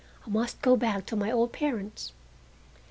I must go back to my old parents."